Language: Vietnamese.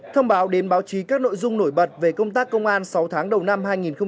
thông báo đến báo chí các nội dung nổi bật về công tác công an sáu tháng đầu năm hai nghìn hai mươi